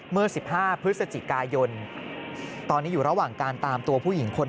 เมื่อ๑๕พฤศจิกายนตอนนี้อยู่ระหว่างการตามตัวผู้หญิงคน